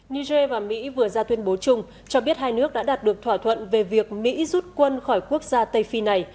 niger và mỹ vừa ra tuyên bố chung cho biết hai nước đã đạt được thỏa thuận về việc mỹ rút quân khỏi quốc gia tây phi này